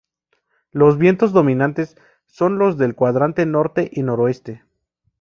Los vientos dominantes son los del cuadrante norte y noroeste.